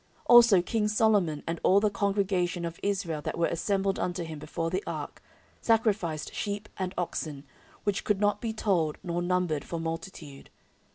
14:005:006 Also king Solomon, and all the congregation of Israel that were assembled unto him before the ark, sacrificed sheep and oxen, which could not be told nor numbered for multitude.